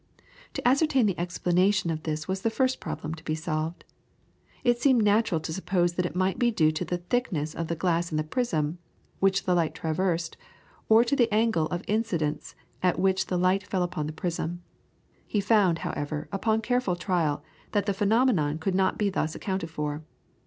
To ascertain the explanation of this was the first problem to be solved. It seemed natural to suppose that it might be due to the thickness of the glass in the prism which the light traversed, or to the angle of incidence at which the light fell upon the prism. He found, however, upon careful trial, that the phenomenon could not be thus accounted for.